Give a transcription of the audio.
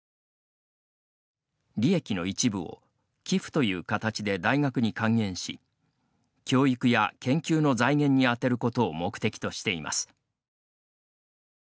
利益の一部を寄付という形で大学に還元し教育や研究の財源に充てることを目的としています。